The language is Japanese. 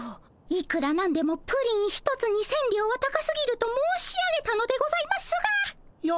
いくら何でもプリン一つに千両は高すぎると申し上げたのでございますが。